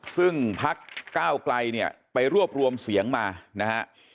ซึ่งพักก้าวไกลเนี่ยไปรวบรวมเสียงมานะฮะ